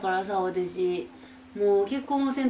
私。